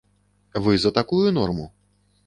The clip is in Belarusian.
Вы за такую норму?